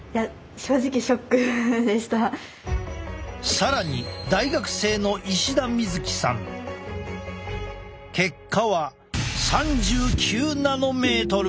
更に大学生の結果は３９ナノメートル！